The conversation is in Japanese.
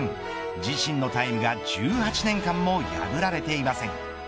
自身のタイムが１８年間も破られていません。